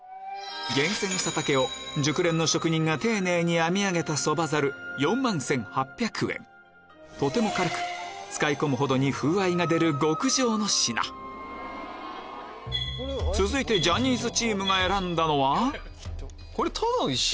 厳選した竹を熟練の職人が丁寧に編み上げたとても軽く使い込むほどに風合いが出る極上の品続いてジャニーズチームが選んだのは？